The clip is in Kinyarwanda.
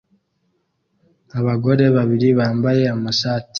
Abagore babiri bambaye amashati